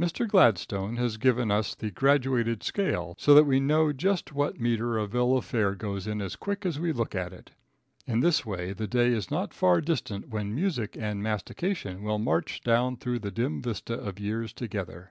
Mr. Gladstone has given us the graduated scale, so that we know just what metre a bill of fare goes in as quick as we look at it. In this way the day is not far distant when music and mastication will march down through the dim vista of years together.